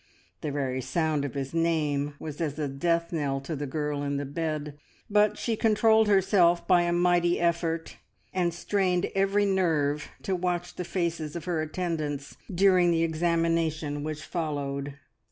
The very sound of his name was as a death knell to the girl in the bed, but she controlled herself by a mighty effort, and strained every nerve to watch the faces of her attendants during the examination which followed.